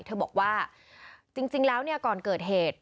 เธอบอกว่าจริงแล้วเนี่ยก่อนเกิดเหตุ